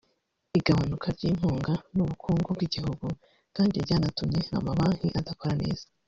Igabanyuka ry’inkunga n’ubukungu bw’igihugu kandi ryanatumye amabanki adakora neza